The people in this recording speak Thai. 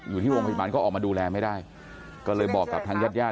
อยู่ที่โรงพยาบาลก็ออกมาดูแลไม่ได้ก็เลยบอกกับทางญาติญาติ